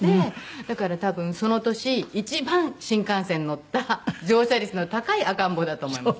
だから多分その年一番新幹線に乗った乗車率の高い赤ん坊だと思います。